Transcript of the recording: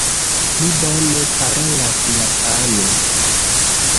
Li bone parolas japane.